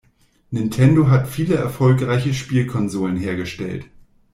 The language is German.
Nintendo hat viele erfolgreiche Spielkonsolen hergestellt.